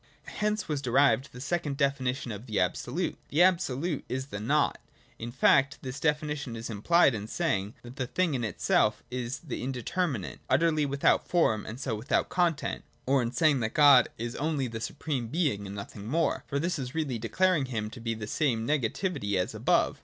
(i) Hence was derived the second definition of the Absolute ; the Absolute is the Nought. In fact this definition is implied in saying that the thing in itself is the indeterminate, utterly without form and so without content, — or in saying that God is only the supreme Being and nothing more ; for this is really declaring him to be the same negativity as above.